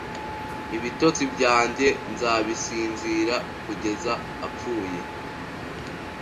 ibitotsi byanjye nzabisinzira kugeza apfuye